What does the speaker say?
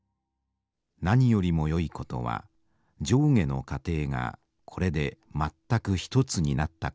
何よりもよいことは上下の家庭がこれでまったく一つになったことだ」。